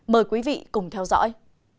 mời quý vị cùng theo dõi